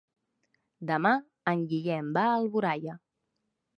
Demà en Guillem va a Alboraia.